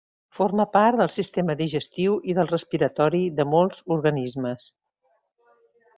Forma part del sistema digestiu i del respiratori de molts d'organismes.